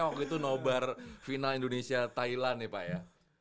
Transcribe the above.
waktu itu nobar final indonesia thailand nih pak ya